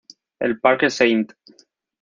El Parque St.